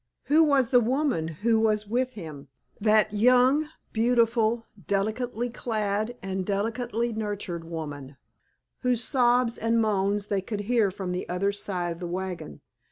Who was the woman who was with him—that young, beautiful, delicately clad and delicately nurtured woman, whose sobs and moans they could hear from the other side of the wagon?